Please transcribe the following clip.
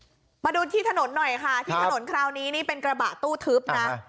มาดูที่ถนนหน่อยค่ะที่ถนนคราวนี้นี่เป็นกระบะตู้ทึบนะ